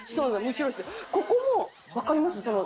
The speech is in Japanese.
ここも分かります？